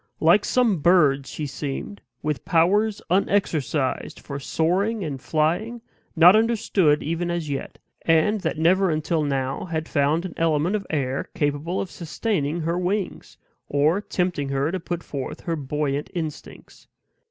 Like some bird she seemed, with powers unexercised for soaring and flying, not understood even as yet, and that never until now had found an element of air capable of sustaining her wings, or tempting her to put forth her buoyant instincts.